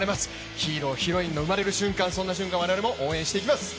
ヒーロー、ヒロインの生まれる瞬間を我々も応援していきます。